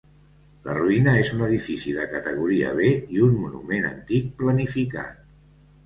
La ruïna és un edifici de categoria B i un monument antic planificat.